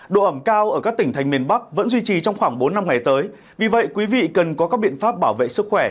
độ ẩm cao ở các tỉnh thành miền bắc vẫn duy trì trong khoảng bốn năm ngày tới vì vậy quý vị cần có các biện pháp bảo vệ sức khỏe